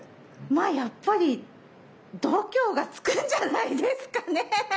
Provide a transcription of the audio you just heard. まあやっぱり度胸がつくんじゃないですかね。